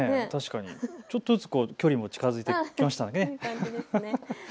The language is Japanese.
ちょっとずつ距離も近づいてきましたね。